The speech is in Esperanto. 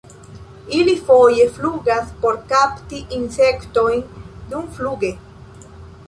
Ili foje flugas por kapti insektojn dumfluge.